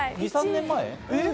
２３年前？